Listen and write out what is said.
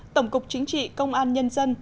tổng cục chính trị công an nhân dân